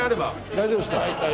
大丈夫ですか？